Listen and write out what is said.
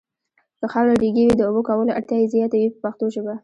که خاوره ریګي وي د اوبو کولو اړتیا یې زیاته وي په پښتو ژبه.